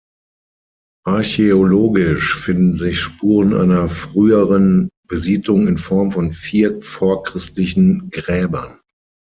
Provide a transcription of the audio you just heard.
Archäologisch finden sich Spuren einer früheren Besiedlung in Form von vier vorchristlichen Gräbern.